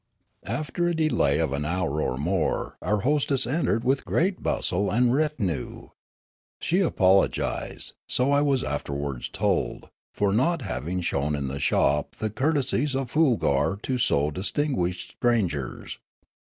After a delay of an hour or more our hostess entered with great bustle and retinue. She apologised, so I was afterwards told, for not having shown in the shop the courtesies of Foolgar to so distinguished strangers.